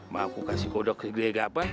mau aku kasih kodok ke gila gak apa